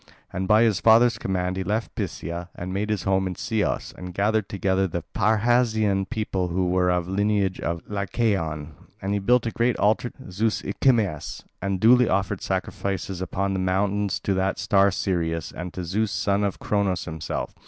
And by his father's command he left Phthia and made his home in Ceos, and gathered together the Parrhasian people who are of the lineage of Lycaon, and he built a great altar to Zeus Icmaeus, and duly offered sacrifices upon the mountains to that star Sirius, and to Zeus son of Cronos himself.